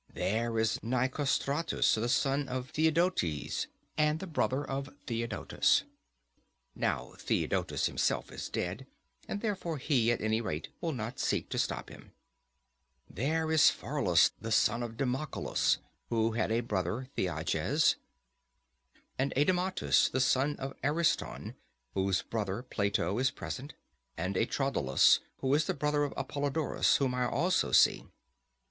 There is Nicostratus the son of Theosdotides, and the brother of Theodotus (now Theodotus himself is dead, and therefore he, at any rate, will not seek to stop him); and there is Paralus the son of Demodocus, who had a brother Theages; and Adeimantus the son of Ariston, whose brother Plato is present; and Aeantodorus, who is the brother of Apollodorus, whom I also see.